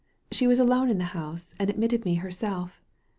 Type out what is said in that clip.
She was alone in the house, and admitted me herself.